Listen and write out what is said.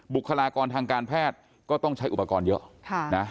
บุคลากรทางการแพทย์ก็ต้องใช้อุปกรณ์เยอะ